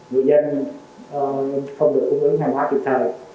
người dân không được cung ứng hàng hóa kịp thời